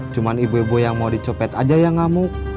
cuma ibu ibu yang mau dicopet aja yang ngamuk